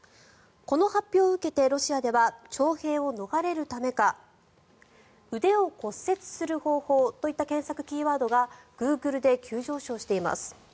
この発表を受けてロシアでは徴兵を逃れるためか「腕を骨折する方法」といった検索キーワードがグーグルで急上昇しています。